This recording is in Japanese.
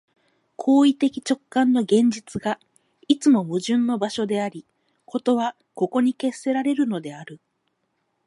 行為的直観の現実が、いつも矛盾の場所であり、事はここに決せられるのである。